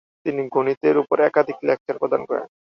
তিনি গণিতের ওপর একাধিক লেকচার প্রদান করেন।